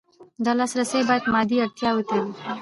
دا لاسرسی باید مادي اړتیاوو ته وي.